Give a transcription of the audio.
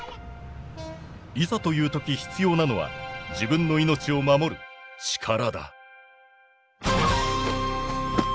いざという時必要なのは自分の命を守る力だ。